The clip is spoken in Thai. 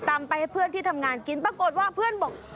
ไปให้เพื่อนที่ทำงานกินปรากฏว่าเพื่อนบอก